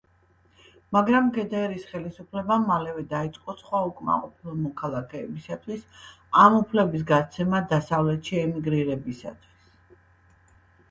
მაგრამ გდრ-ის ხელისუფლებამ მალევე დაიწყო სხვა უკმაყოფილო მოქალაქეებისთვის ამ უფლების გაცემა დასავლეთში ემიგრირებისთვის.